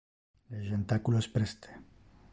Le jentaculo es preste.